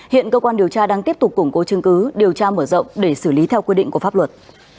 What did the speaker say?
hiện cơ quan điều tra đang tiếp tục củng cố chứng cứ điều tra mở rộng để xử lý theo quy định của pháp luật